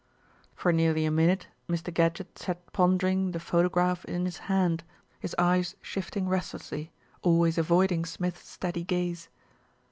For nearly a minute Mr. Gadgett sat pondering, the photograph in his hand, his eyes shifting restlessly, always avoiding Smith's steady gaze.